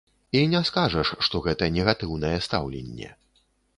І не скажаш, што гэта негатыўнае стаўленне.